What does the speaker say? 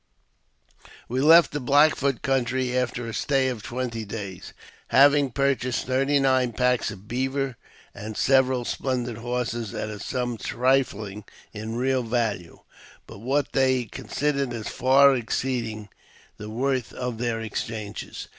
We left the Black Foot country after a stay of twenty days, having purchased thirty nine packs of beaver and several splendid horses at a sum trifling in real value, but what they considered as far exceeding the worth of their exchanges.